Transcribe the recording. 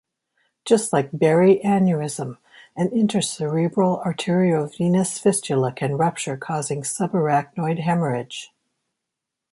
Just like berry aneurysm, an intracerebral arteriovenous fistula can rupture causing subarachnoid hemorrhage.